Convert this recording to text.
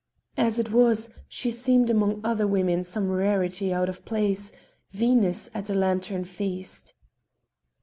As it was, she seemed among other women some rarity out of place Venus at a lantern feast."